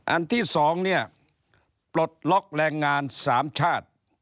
อันที่๒เนี่ยปลดล็อกแรงงาน๓ชาติ